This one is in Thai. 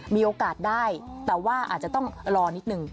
มีโอกาสได้แต่ว่าอาจจะต้องรอนิดนึง